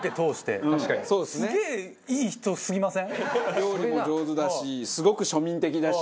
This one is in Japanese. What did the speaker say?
料理も上手だしすごく庶民的だし。